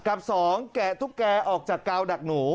กับ๒แกะตุ๊กแกออกจากกาวดักหนู